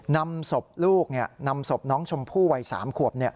นำศพลูกนำศพน้องชมพู่วัย๓ขวบ